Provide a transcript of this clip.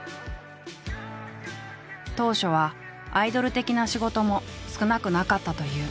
当初はアイドル的な仕事も少なくなかったという。